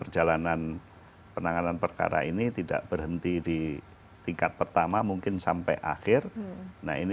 jiwa rakyat ini akan memunculkan